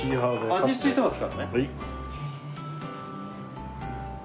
味ついてますからね。